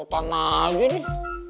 mau tanah lagi nih